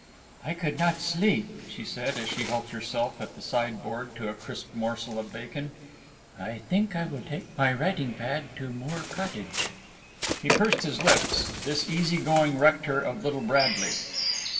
"I could not sleep," she said, as she helped herself at the sideboard to a crisp morsel of bacon. "I think I will take my writing pad to Moor Cottage." He pursed his lips, this easy going rector of Little Bradley.